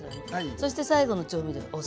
そして最後の調味料お塩。